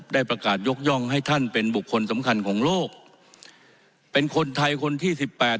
ได้ประกาศยกย่องให้ท่านเป็นบุคคลสำคัญของโลกเป็นคนไทยคนที่สิบแปด